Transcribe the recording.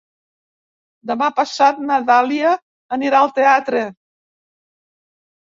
Demà passat na Dàlia anirà al teatre.